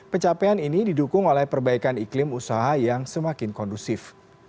pencapaian ini didukung oleh perbaikan iklim usaha yang semakin kondusif